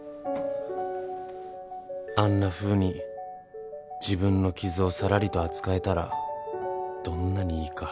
［あんなふうに自分の傷をさらりと扱えたらどんなにいいか。］